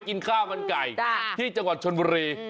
กินข้าวมันไก่ที่จังหวัดชนบุรี